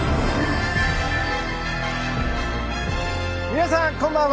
皆さん、こんばんは。